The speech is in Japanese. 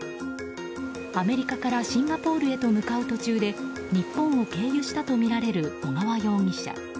アメリカからシンガポールへと向かう途中で日本を経由したとみられる小川容疑者。